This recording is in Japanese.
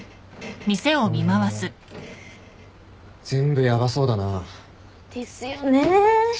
うん全部ヤバそうだな。ですよね。